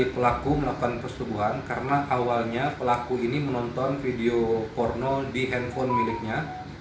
pelaku melakukan persetubuhan karena awalnya pelaku ini menonton video porno di handphone miliknya